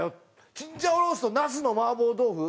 「チンジャオロースとナスの麻婆豆腐」。